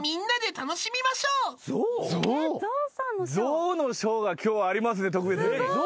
象のショーが今日ありますんで特別に。